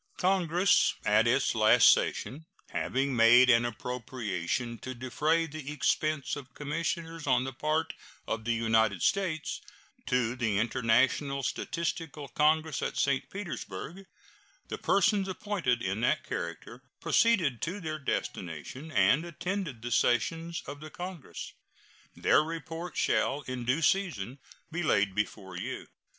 Congress at its last session having made an appropriation to defray the expense of commissioners on the part of the United States to the International Statistical Congress at St. Petersburg, the persons appointed in that character proceeded to their destination and attended the sessions of the congress. Their report shall in due season be laid before you.